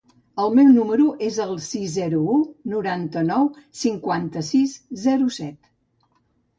El meu número es el sis, zero, u, noranta-nou, cinquanta-sis, zero, set.